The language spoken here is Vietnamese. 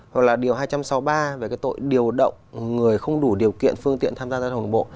hoặc là điều hai trăm sáu mươi ba về cái tội điều động người không đủ điều kiện phương tiện tham gia giao thông đường bộ